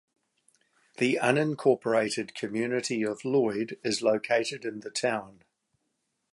The unincorporated community of Loyd is located in the town.